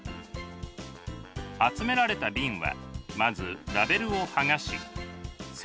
集められた瓶はまずラベルを剥がし洗浄します。